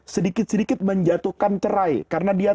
sedikit sedikit menjatuhkan cerai karena dia